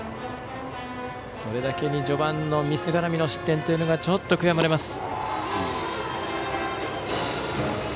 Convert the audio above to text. それだけに序盤のミス絡みの失点がちょっと悔やまれます。